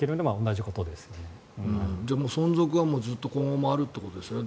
じゃあ、存続はずっと今後もあるということですよね。